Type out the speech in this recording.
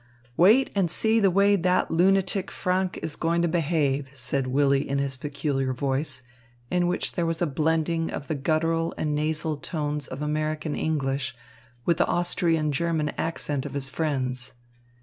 "Wait and see the way that lunatic Franck is going to behave," said Willy in his peculiar voice, in which there was a blending of the guttural and nasal tones of American English with the Austrian German accent of his friends.